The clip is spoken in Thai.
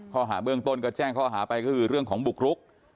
ข้อหาเบื้องต้นก็แจ้งข้อหาไปก็คือเรื่องของบุกรุก